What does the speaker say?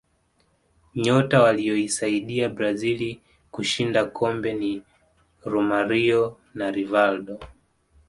nyota waliyoisaidia brazil kushinda kombe ni romario na rivaldo